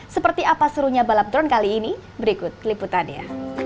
seperti apa serunya balap drone kali ini berikut liputannya